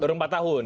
baru empat tahun ya